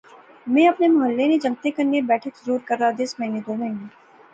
میں اپنے محلے نے جنگتیں کنے بیٹھک ضرور کرنا دیس، مہینے دو مہینے